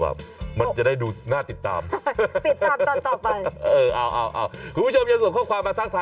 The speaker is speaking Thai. เพราะฉะนั้นทุกอย่างมันก็ต้องมีข้อพิสูจน์นะคะ